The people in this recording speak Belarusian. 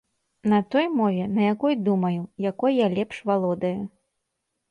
На той мове, на якой думаю, якой я лепш валодаю.